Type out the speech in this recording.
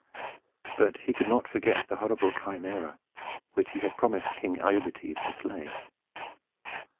But he could not forget the horrible Chimæra, which he had promised King Iobates to slay.